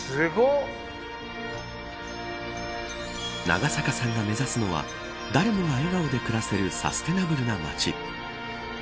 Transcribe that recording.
長坂さんが目指すのは誰もが笑顔で暮らせるサステナブルな街。